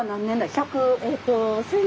１００。